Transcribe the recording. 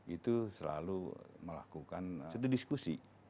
itu selalu melakukan satu diskusi